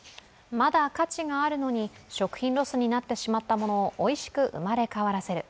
まだ価値があるのに食品ロスになったものをおいしく生まれ変わらせる